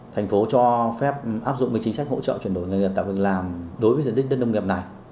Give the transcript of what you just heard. thành phố cho phép áp dụng cái chính sách hỗ trợ chuyển đổi nghề nghiệp tạo lực làm đối với dân tích đất nông nghiệp này